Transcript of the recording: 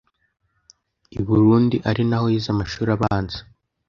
i Burundi ari naho yize amashuri abanza